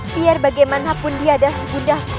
biar bagaimanapun dia adalah bunda